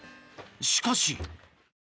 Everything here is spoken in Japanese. しかし・